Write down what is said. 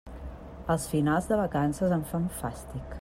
Els finals de vacances em fan fàstic.